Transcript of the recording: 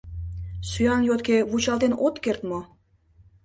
— Сӱан йотке вучалтен от керт мо?